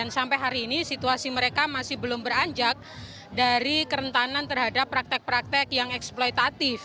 sampai hari ini situasi mereka masih belum beranjak dari kerentanan terhadap praktek praktek yang eksploitatif